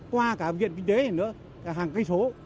qua cả viện kinh tế này nữa là hàng cây số